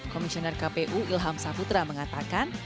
komisioner kpu ilham saputra mengatakan